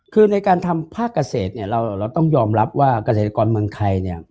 คือในการทำภาคเกษตรเราต้องยอมรับว่าเกษตรกรเมืองไทย